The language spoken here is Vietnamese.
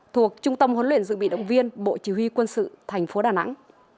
thuộc trung tâm huấn luyện dự bị động viên bộ chỉ huy quân sự thành phố đà nẵng